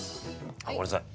あごめんなさい。